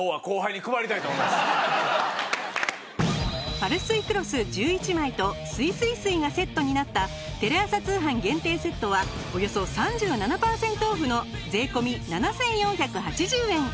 パルスイクロス１１枚とすいすい水がセットになったテレ朝通販限定セットはおよそ３７パーセントオフの税込７４８０円。